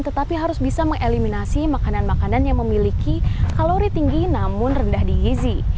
tetapi harus bisa mengeliminasi makanan makanan yang memiliki kalori tinggi namun rendah di gizi